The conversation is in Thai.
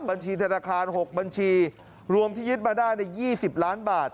บัญชีธนาคาร๖บัญชีรวมที่ยึดมาได้ใน๒๐ล้านบาท